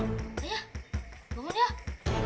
ayah bangun ya